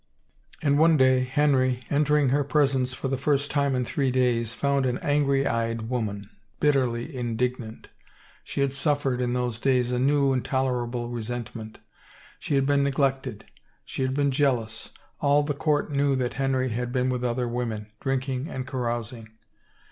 And one day, Henry, entering her presence for the first time in three days, found an angry eyed woman, bitterly indignant. She had suffered, in those days, a new, intolerable resentment. She had been neglected. She had been jealous. All the court knew that Henry had been with other women, drinking and carousing.